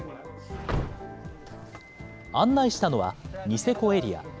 案内したのはニセコエリア。